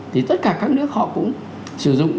thì tất cả các nước họ cũng sử dụng